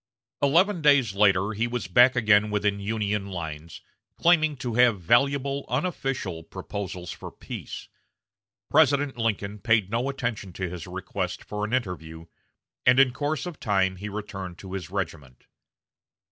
Eleven days later he was back again within Union lines, claiming to have valuable "unofficial" proposals for peace. President Lincoln paid no attention to his request for an interview, and in course of time he returned to his regiment.